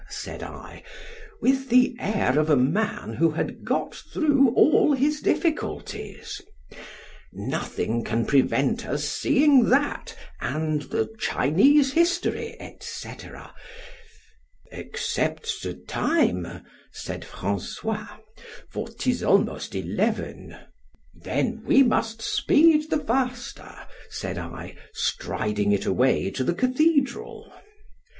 said I, with the air of a man, who had got thro' all his difficulties——nothing can prevent us seeing that, and the Chinese history, &c. except the time, said François——for 'tis almost eleven—then we must speed the faster, said I, striding it away to the cathedral.